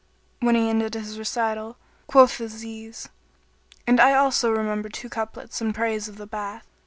When he ended his recital, quoth Aziz, "And I also remember two couplets in praise of the bath."